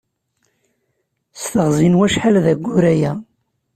S teɣzi n wacḥal d aggur aya.